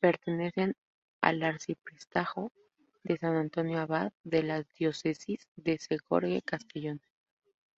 Pertenece al arciprestazgo de San Antonio Abad de la Diócesis de Segorbe-Castellón.